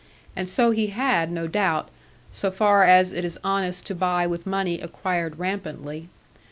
And so he had, no doubt, so far as it is honest to buy with money acquired rampantly.